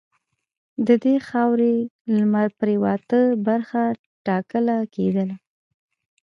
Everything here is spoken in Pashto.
د دې خاورې لمرپرېواته برخه ټاکله کېدله.